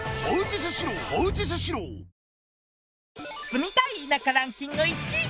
住みたい田舎ランキング１位！